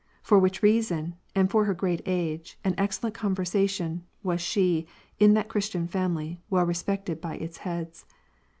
For which reason, and for her great age, and excellent con versation, was she, in that Christian family, well respected by its heads..